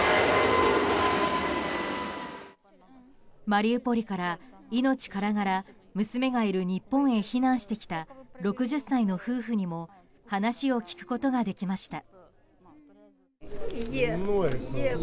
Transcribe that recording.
マリウポリから命からがら娘がいる日本へ避難してきた６０歳の夫婦にも話を聞くことができました。